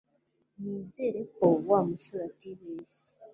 Nizere ko Wa musore atibeshye